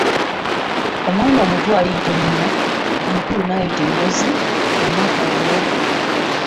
Omwana omuto aliyita nnyina omukulu n’ayita engozi ku lunaku olwo.